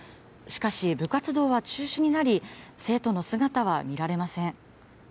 しかし、部活動は中止になり、生徒の姿は見られません。